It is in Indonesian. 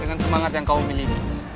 dengan semangat yang kamu miliki